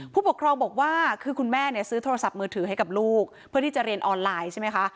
ผู้ปกครองบอกว่าคือคุณแม่เนี่ยซื้อโทรศัพท์มือถือให้กับลูกเพื่อที่จะเรียนออนไลน์ใช่ไหมคะ